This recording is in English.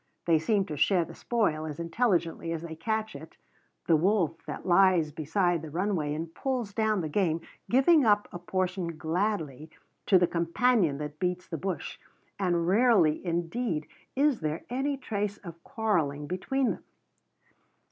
They seem to share the spoil as intelligently as they catch it, the wolf that lies beside the runway and pulls down the game giving up a portion gladly to the companion that beats the bush, and rarely indeed is there any trace of quarreling between them.